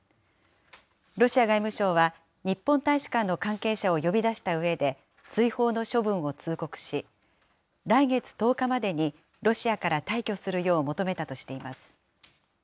ロシア外務省は、日本大使館の関係者を呼び出したうえで、追放の処分を通告し、来月１０日までにロシアから退去するよう求めたとしています。